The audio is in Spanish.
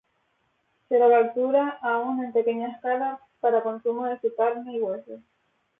Se lo captura aún en pequeña escala para consumo de su carne y huevos.